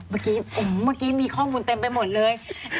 เมื่อกี้มีข้อมูลเต็มไปหมดเลย